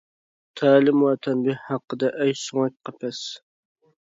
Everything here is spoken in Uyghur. تەلىم ۋە تەنبىھ ھەققىدە ئەي سۆڭەك قەپەس!